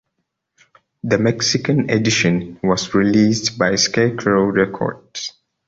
The Mexican edition was released by Scarecrow Records.